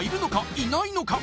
いないのか？